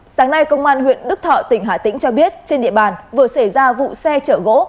sáng nay công an huyện đức thọ tỉnh hà tĩnh cho biết trên địa bàn vừa xảy ra vụ xe chở gỗ